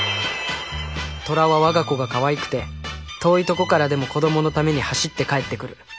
虎は我が子がかわいくて遠いとこからでも子どものために走って帰ってくる。